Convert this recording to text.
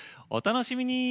お楽しみに！